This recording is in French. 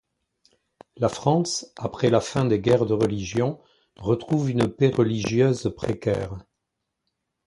La France, après la fin des guerres de religion, retrouve une paix religieuse précaire.